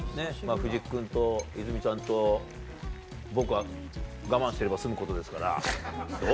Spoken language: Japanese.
藤木君と泉ちゃんと僕は我慢してれば済むことですからどうぞ。